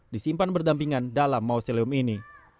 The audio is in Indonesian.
disimpan berdampingan dalam mauseleum ini